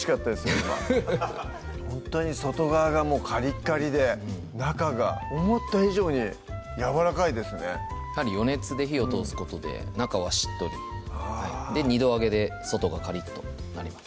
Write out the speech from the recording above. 今ほんとに外側がカリカリで中が思った以上にやわらかいですねやはり余熱で火を通すことで中はしっとり二度揚げで外がカリッとなります